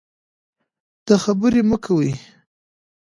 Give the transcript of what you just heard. د خبرې مه کوئ.